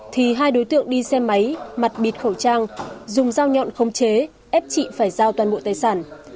thì hai đối tượng đi xe máy mặt bịt khẩu trang dùng dao nhọn không chế ép chị phải giao toàn bộ tài sản